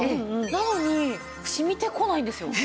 なのに染みてこないんですよ。